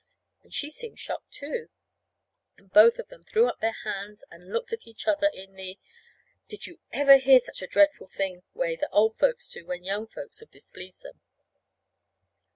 And she seemed shocked, too. And both of them threw up their hands and looked at each other in the did you ever hear such a dreadful thing? way that old folks do when young folks have displeased them.